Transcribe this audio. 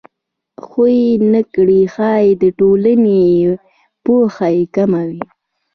خو ویې نه کړ ښایي د ټولنې پوهه یې کمه وي